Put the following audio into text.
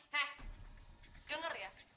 hei denger ya